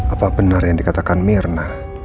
apa benar yang dikatakan mirna